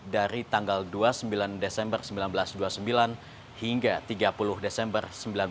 dari tanggal dua puluh sembilan desember seribu sembilan ratus dua puluh sembilan hingga tiga puluh desember seribu sembilan ratus empat puluh